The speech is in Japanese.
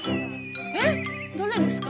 えっどれですか？